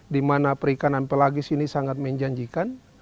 di mana perikanan pelagis ini sangat menjanjikan